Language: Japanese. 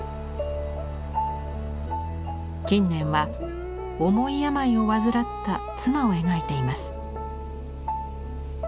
近年は重い病を患った妻を描いています。